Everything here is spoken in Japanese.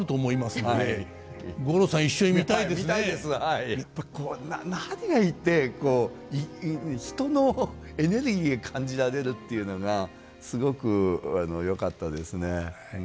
やっぱりこれ何がいいってこう人のエネルギーが感じられるっていうのがすごくよかったですね。